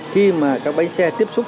khi mà các bánh xe tiếp xúc